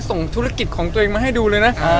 ส่งธุรกิจของตัวเองมาให้ดูเลยนะ